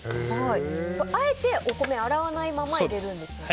あえてお米を洗わないまま入れるんですよね。